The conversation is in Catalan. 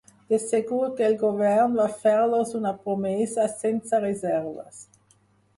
De segur que el govern va fer-los una promesa sense reserves.